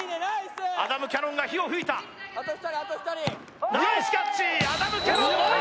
アダムキャノンが火を吹いたナイスキャッチアダムキャノン